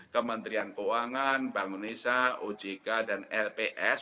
kementerian keuangan bank indonesia ojk dan lps